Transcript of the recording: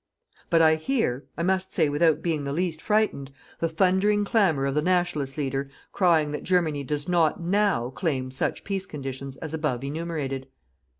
But I hear I must say without being the least frightened the thundering clamour of the Nationalist leader crying that Germany does not NOW claim such peace conditions as above enumerated.